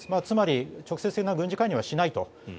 つまり直接的な軍事介入はしないと。